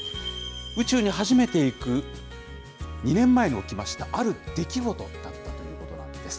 宇宙に初めて行く２年前に起きましたある出来事だったということなんです。